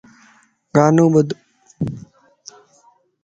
گانو ٻڌ